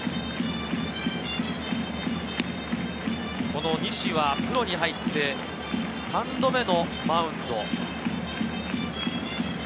この西はプロに入って３度目のマウンド。